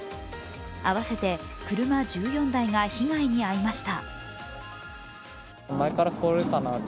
合わせて車１４台が被害に遭いました。